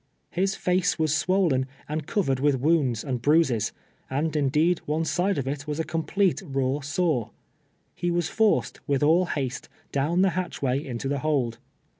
Ilis face Avas swolk'ii, and covered M'ith wounds and bruises, and, indeed, one side of it was a complete raw sore. He was forced, with all haste, down the hatchway into the hold.